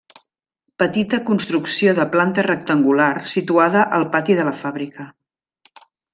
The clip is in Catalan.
Petita construcció de planta rectangular situada al pati de la fàbrica.